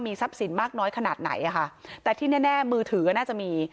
ทรัพย์สินมากน้อยขนาดไหนอ่ะค่ะแต่ที่แน่แน่มือถือก็น่าจะมี